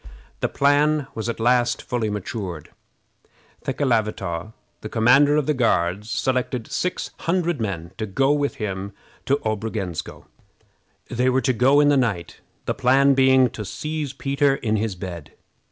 The plan was at last fully matured. Thekelavitaw, the commander of the Guards, selected six hundred men to go with him to Obrogensko. They were to go in the night, the plan being to seize Peter in his bed.